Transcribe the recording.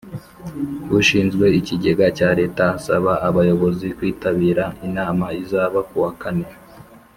ushinzwe Ikigega cya Leta asaba Abayobozi kwitabira inama izaba kuwa kane